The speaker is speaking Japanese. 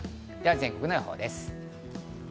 では、全国の予報です。